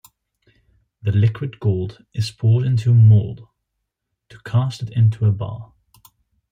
The liquid gold is poured into a mold to cast it into a bar.